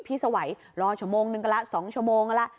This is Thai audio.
พี่สวัยรอชั่วโมงนึงละ๒ชั่วโมงละ